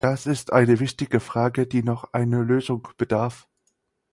Das ist eine wichtige Frage, die noch einer Lösung bedarf.